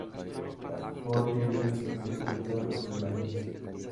Fort Irwin se encuentra ubicado en las coordenadas